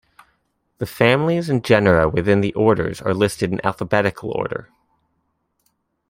The families and genera within the orders are listed in alphabetical order.